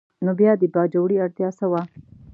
نو بیا د باجوړي اړتیا څه وه؟